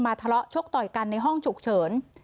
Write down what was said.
ทะเลาะชกต่อยกันในห้องฉุกเฉิน